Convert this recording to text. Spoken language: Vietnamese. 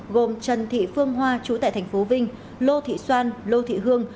gồm trần thị phương hoa chú tại tp vinh lô thị xoan lô thị hương